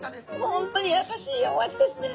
本当に優しいお味ですね。